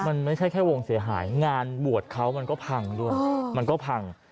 มันไม่ใช่แค่วงเสียหายงานบวชเขามันก็พังด้วยมันก็พัง